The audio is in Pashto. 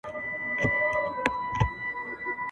په نصیب یې ورغلی شین جنت وو !.